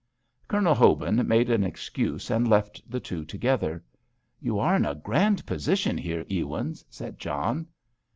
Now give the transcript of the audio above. Colonel Hobin made an excuse and left the two together. "You are in a grand position here, Ewins," said John.